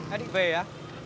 em định về á